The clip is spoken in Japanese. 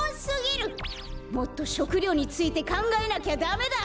もっと食料についてかんがえなきゃダメだ！